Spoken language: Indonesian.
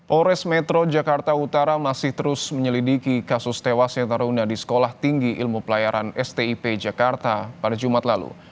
ores metro jakarta utara masih terus menyelidiki kasus tewasnya taruna di sekolah tinggi ilmu pelayaran stip jakarta pada jumat lalu